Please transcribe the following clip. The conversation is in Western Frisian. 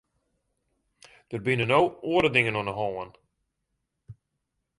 Der binne no oare dingen oan de hân.